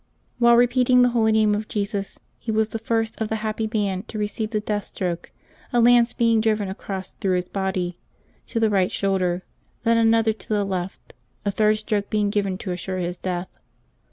While repeating the holy name of Jesus he was the first of the happy band to receive the death stroke, a lance being driven across through his body to the right shoulder, then another LIVES OF THE SAINTS 395 to the left, a third stroke being given to assure his death.